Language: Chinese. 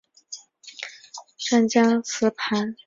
湛江雌盘吸虫为微茎科雌盘属的动物。